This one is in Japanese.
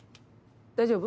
大丈夫？